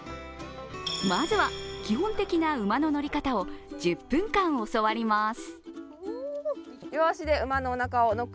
まずは基本的な馬の乗り方を１０分間教わります。